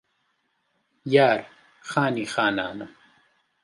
یار خانی خانانم